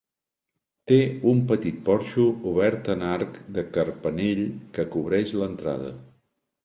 Té un petit porxo obert en arc de carpanell que cobreix l'entrada.